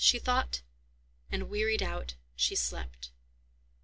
she thought, and, wearied out, she slept.